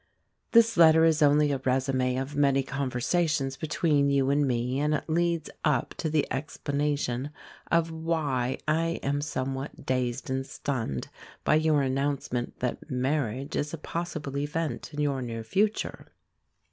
This letter is only a résumé of many conversations between you and me, and it leads up to the explanation of why I am somewhat dazed and stunned by your announcement that marriage is a possible event in your near future.